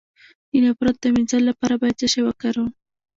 د نفرت د مینځلو لپاره باید څه شی وکاروم؟